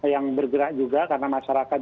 yang bergerak juga karena masyarakat